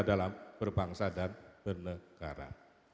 dalam berbangsa dan dan negara